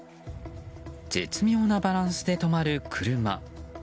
絶妙なバランスで止まる車。